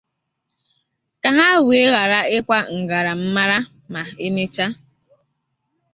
ka ha wee ghara ịkwa ngarammara ma e mechaa.